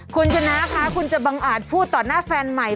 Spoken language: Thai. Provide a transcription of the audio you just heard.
คุณชนะคะคุณจะบังอาจพูดต่อหน้าแฟนใหม่